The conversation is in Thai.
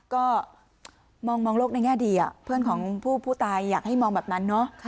ก็มองโลกในแง่ดีเพื่อนของผู้ตายอยากให้มองแบบนั้นเนอะ